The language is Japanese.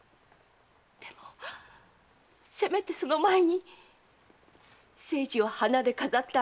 でもせめてその前に清次を花で飾ってあげようと思いました。